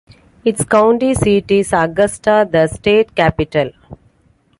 Its county seat is Augusta, the state capital.